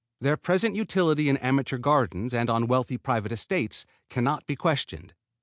Their present utility in amateur gardens and on wealthy private estates can not be questioned.